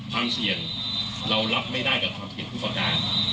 ความเสี่ยงเรารับไม่ได้กับความเสี่ยงทุกประการ